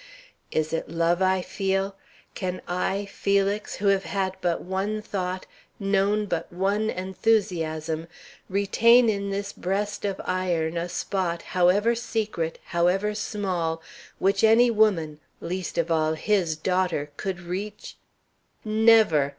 Is it love I feel? Can I, Felix, who have had but one thought, known but one enthusiasm, retain in this breast of iron a spot however secret, however small, which any woman, least of all his daughter, could reach? Never!